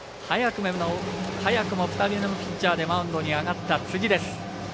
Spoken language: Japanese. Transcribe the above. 早くも２人目のピッチャーでマウンドに上がった辻です。